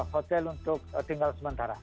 hotel untuk tinggal sementara